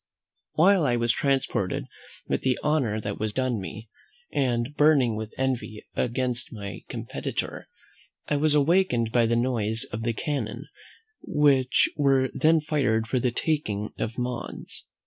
While I was transported with the honour that was done me, and burning with envy against my competitor, I was awakened by the noise of the cannon which were then fired for the taking of Mons.